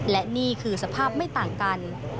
และนี่คือสภาพไม่ต่างกัน